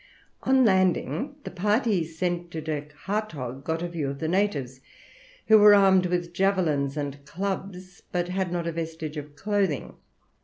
On landing, the party sent to Dirk Hartog, got a view of the natives, who were armed with javelins and clubs, but had not a vestige of clothing.